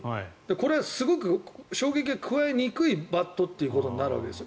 これはすごく衝撃が加えにくいバットってことになるわけです。